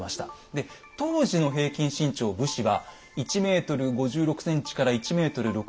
で当時の平均身長武士は１ｍ５６ｃｍから１ｍ６７ｃｍなんですって。